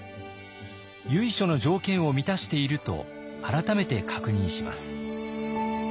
由緒の条件を満たしていると改めて確認します。